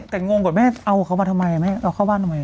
แต่งงก่อนแม่เอาเขามาทำไมแม่เอาเข้าบ้านทำไม